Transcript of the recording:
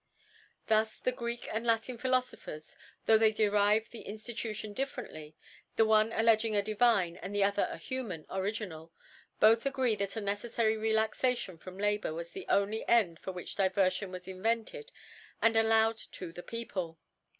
*. Thus the Greek and > Latin Philofopher, tho' they derive .the Inftitutioii differently, the one alledging a divine and the other a tuman Original, both agree that a neceffary Relaxation, from Labour was the only End for'wiiich Diverfion was in'Vctiitdd and al Jowedtothe People.